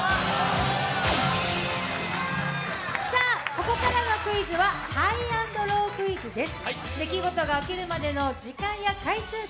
ここからのクイズはハイ＆ロークイズです。